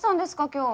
今日。